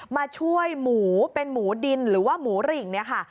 มาช่วยหมูเป็นหมูดินหรือว่าหมูหริงเนี่ยค่ะ